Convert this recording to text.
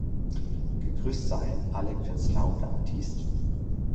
Gegrüsst seien alle Künstler und Artisten.